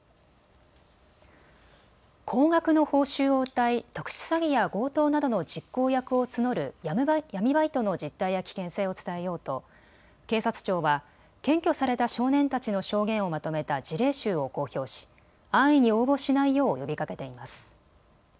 高額の報酬をうたい、特殊詐欺や強盗などの実行役を募る闇バイトの実態や危険性を伝えようと警察庁は検挙された少年たちの証言をまとめた事例集を公表し安易に応募しないよう呼びかけています。